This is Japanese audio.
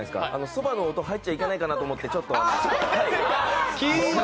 そばの音、入っちゃいけないかなと思って、ちょっと。